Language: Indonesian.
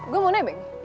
gue mau nebeng